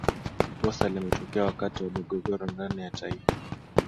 kosa limetokea wakati wa migogoro ndani ya taifa